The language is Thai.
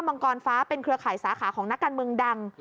มังกรฟ้าเป็นเครือข่ายสาขาของนักการเมืองดัง